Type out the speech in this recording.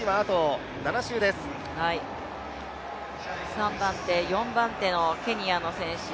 ３番手、４番手のケニアの選手